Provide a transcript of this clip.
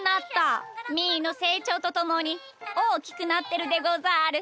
みーのせいちょうとともにおおきくなってるでござる。